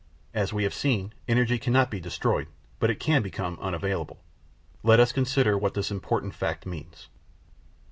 As we have seen, energy cannot be destroyed, but it can become unavailable. Let us consider what this important fact means.